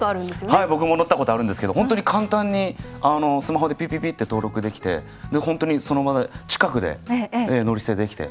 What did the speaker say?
はい僕も乗ったことあるんですけど本当に簡単にスマホでピピピッて登録できてで本当にその場で近くで乗り捨てできて。